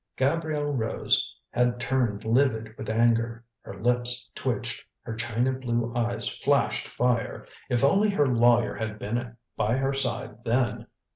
Gabrielle Rose had turned livid with anger. Her lips twitched, her china blue eyes flashed fire. If only her lawyer had been by her side then!